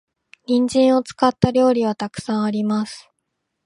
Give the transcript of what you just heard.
人参を使った料理は沢山あります。